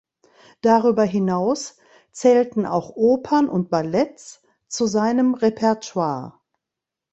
Darüber hinaus zählten auch Opern und Ballets zu seinem Repertoire.